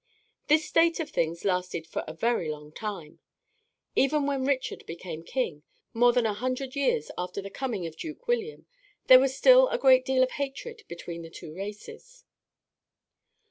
This state of things lasted for a very long time. Even when Richard became king, more than a hundred years after the coming of Duke William, there was still a great deal of hatred between the two races.